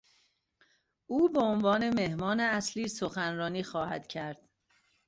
او به عنوان مهمان اصلی سخنرانی خواهد کرد.